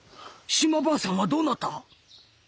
島婆さんはどうなった？